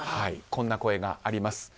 こんな声があります。